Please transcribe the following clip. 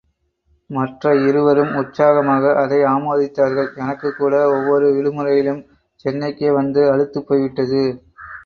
மற்ற இருவரும் உற்சாகமாக அதை ஆமோதித்தார்கள் எனக்குக்கூட ஒவ்வொரு விடுமுறையிலும் சென்னைக்கே வந்து அலுத்துப்போய்விட்டது.